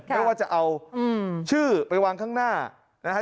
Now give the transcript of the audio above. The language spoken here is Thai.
ไม่ว่าจะเอาชื่อไปวางข้างหน้านะฮะ